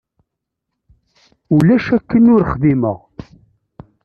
Ulac akken ur xdimeɣ.